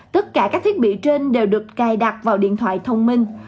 tất cả các thiết bị trên đều được cài đặt vào điện thoại thông minh